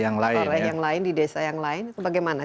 yang lain di desa yang lain bagaimana